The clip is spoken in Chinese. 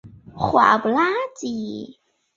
不会有很突兀的转折